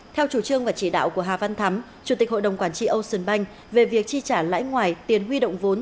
theo chủ trương và chỉ đạo của hà văn thắm chủ tịch hội đồng quản trị ocean bank về việc chi trả lãi ngoài tiền huy động vốn